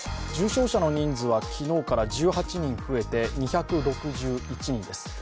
重症者の人数は昨日から１８人増えて２６８人です。